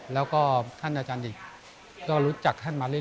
แล้วก็ท่านอาจารย์อีกก็รู้จักท่านมาเรื่อย